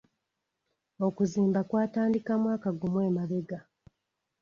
Okuzimba kwatandika mwaka gumu emabega.